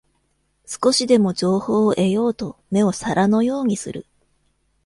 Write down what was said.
少しでも情報を得ようと目を皿のようにする